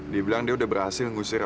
dibilang dia udah berhasil ngusir